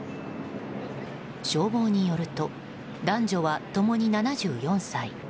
消防によると、男女は共に７４歳。